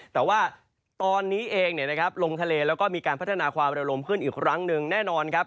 แต่ว่าตอนนี้เองลงทะเลแล้วก็มีการพัฒนาความระลมขึ้นอีกครั้งหนึ่งแน่นอนครับ